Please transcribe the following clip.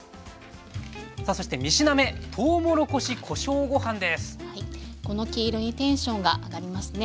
さあそして３品目この黄色にテンションが上がりますね。